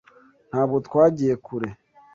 Ntabwo twagiye kure